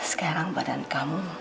sekarang badan kamu